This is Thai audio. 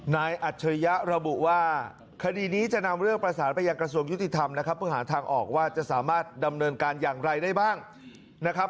อัจฉริยะระบุว่าคดีนี้จะนำเรื่องประสานไปยังกระทรวงยุติธรรมนะครับเพื่อหาทางออกว่าจะสามารถดำเนินการอย่างไรได้บ้างนะครับ